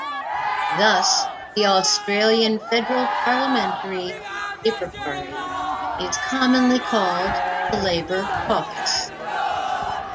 Thus, the Australian Federal Parliamentary Labor Party is commonly called "the Labor Caucus".